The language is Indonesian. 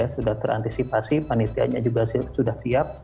sudah terantisipasi panitianya juga sudah siap